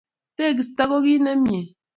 Tegisto ko kit nemye.